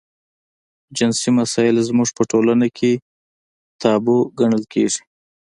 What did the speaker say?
جنسي مسایل زموږ په ټولنه کې تابو ګڼل کېږي.